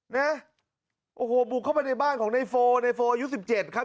เนี้ยโอ้โหบุกเข้าไปในบ้านของนายโฟนายโฟอายุสิบเจ็ดครับ